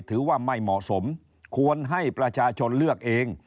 ถือว่าไม่เหมาะสมควรให้ประชาชนเลือกเอง